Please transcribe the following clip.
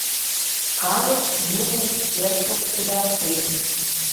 - Калык юмын черкым кудалтен".